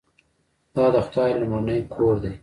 دا د خدای لومړنی کور دی.